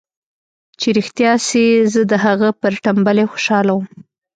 چې رښتيا سي زه د هغه پر ټمبلۍ خوشاله وم.